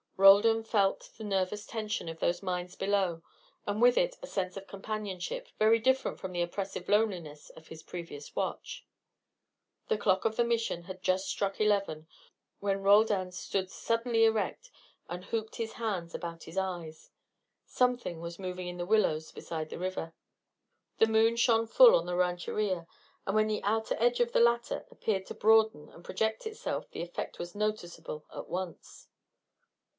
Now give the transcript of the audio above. Roldan felt the nervous tension of those minds below, and with it a sense of companionship, very different from the oppressive loneliness of his previous watch. The clock of the Mission had just struck eleven when Roldan stood suddenly erect and hooped his hands about his eyes. Something was moving in the willows beside the river. The moon shone full on the rancheria, and when the outer edge of the latter appeared to broaden and project itself the effect was noticeable at once.